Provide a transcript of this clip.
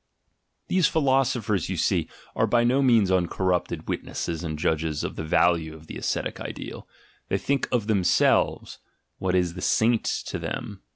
These philosophers, you see, are by no means uncor ASCETIC IDEALS 109 rupted witnesses and judges of the value of the ascetic ideal. They think of themselves — what is the "saint" to them?